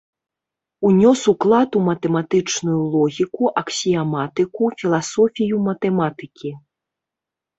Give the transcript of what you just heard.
Унёс уклад у матэматычную логіку, аксіяматыку, філасофію матэматыкі.